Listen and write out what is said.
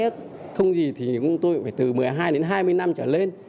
không gì thì tôi phải từ một mươi hai đến hai mươi năm trở lên